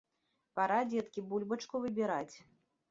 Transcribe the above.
Пара, дзеткі, бульбачку выбіраць.